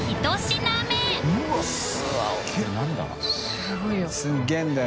すごいよ。